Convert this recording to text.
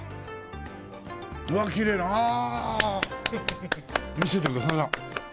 うわっきれいなああ！見せてくださる。